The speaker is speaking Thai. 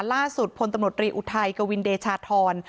ล่าสุดพลตำรวจรีอุทัยกวินเดชาธร